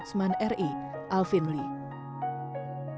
dan pengguna transportasi online yang dianggap sebagai penipuan